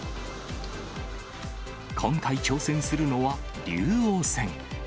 今回、挑戦するのは竜王戦。